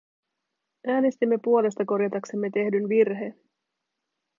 Äänestimme puolesta korjataksemme tehdyn virheen.